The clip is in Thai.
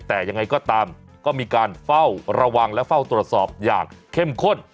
แต่ยังไงก็ตามก็มีการเฝ้าระวังและเฝ้าตรวจสอบอย่างเข้มข้น